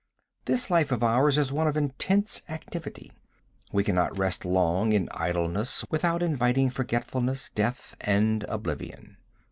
This life of ours is one of intense activity. We cannot rest long in idleness without inviting forgetfulness, death and oblivion.